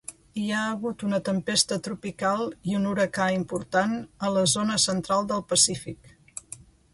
Hi ha hagut una tempesta tropical i un huracà important a la zona central del Pacífic.